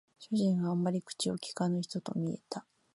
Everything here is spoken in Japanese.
主人はあまり口を聞かぬ人と見えた